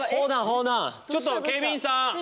ちょっと警備員さん！